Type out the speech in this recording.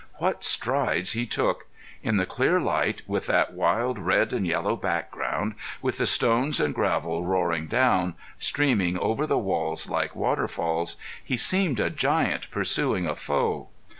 What strides he took! In the clear light, with that wild red and yellow background, with the stones and gravel roaring down, streaming over the walls like waterfalls, he seemed a giant pursuing a foe.